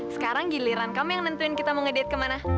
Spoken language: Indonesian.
sekarang giliran kamu yang nentuin kita mau ngedit kemana